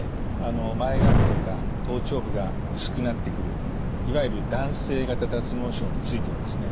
前髪とか頭頂部が薄くなってくるいわゆる男性型脱毛症についてはですね